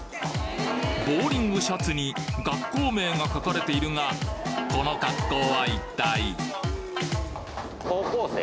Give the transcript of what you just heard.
ボウリングシャツに学校名が書かれているがこの格好は一体？